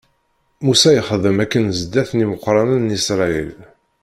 Musa yexdem akken zdat n imeqranen n Isṛayil.